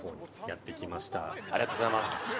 ありがとうございます。